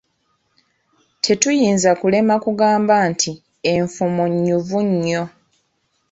Tetuyinza kulema kugamba nti enfumo nnyuvu nnyo.